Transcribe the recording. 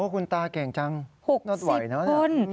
คุณตาแก่งจังนวดไหวนะอืม๖๐คน